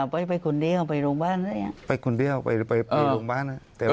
ไม่ไปคนเดียวไปโรงพยาบาลไปคนเดียวไปโรงพยาบาล